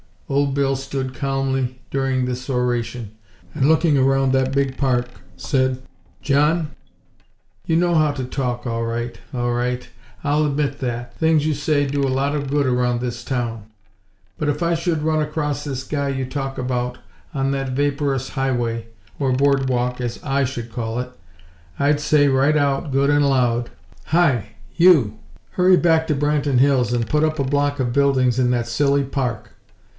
'" Old Bill stood calmly during this oration, and, looking around that big park, said: "John, you know how to talk, all right, all right. I'll admit that things you say do do a lot of good around this town. But if I should run across this guy you talk about, on that vaporous highway, or 'boardwalk', as I should call it, I'd say, right out good and loud: Hi! You!! Hurry back to Branton Hills and put up a block of buildings in that silly park!"